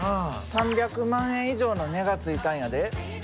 ３００万円以上の値がついたんやで。